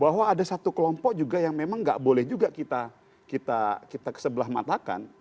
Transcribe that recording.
bahwa ada satu kelompok juga yang memang nggak boleh juga kita kesebelah matakan